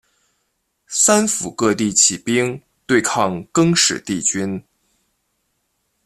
三辅各地起兵对抗更始帝军。